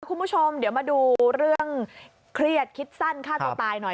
คุณผู้ชมเดี๋ยวมาดูเรื่องเครียดคิดสั้นฆ่าตัวตายหน่อย